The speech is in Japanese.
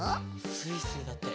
スイスイだって。